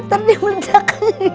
ntar dia mulejak